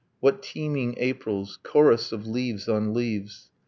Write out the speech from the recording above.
What teeming Aprils! chorus of leaves on leaves!